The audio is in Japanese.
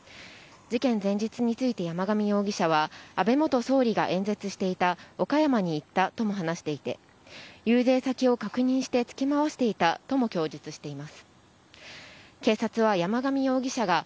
事件前日について、山上容疑者は、安倍元総理が演説していた岡山に行ったとも話していて、遊説先を確認して付け回していたとも供述しています。